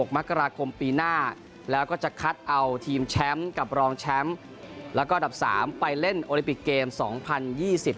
มกราคมปีหน้าแล้วก็จะคัดเอาทีมแชมป์กับรองแชมป์แล้วก็อันดับสามไปเล่นโอลิปิกเกมสองพันยี่สิบ